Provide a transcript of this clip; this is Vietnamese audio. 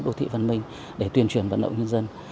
đô thị văn minh để tuyên truyền vận động nhân dân